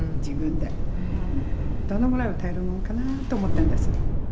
「どのぐらい歌えるもんかなと思ってるんです」